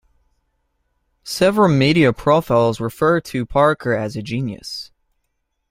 Several media profiles refer to Parker as a genius.